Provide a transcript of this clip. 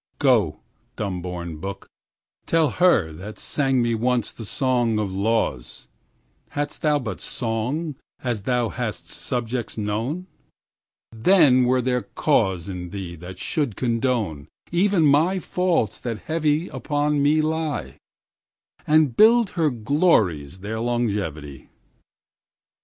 1Go, dumb born book,2Tell her that sang me once that song of Lawes:3Hadst thou but song4As thou hast subjects known,5Then were there cause in thee that should condone6Even my faults that heavy upon me lie7And build her glories their longevity.